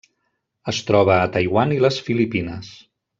Es troba a Taiwan i les Filipines.